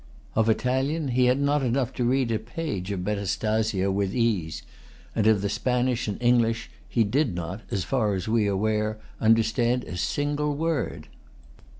Of Italian he had not enough to read a page of Metastasio[Pg 252] with ease; and of the Spanish and English, he did not, as far as we are aware, understand a single word.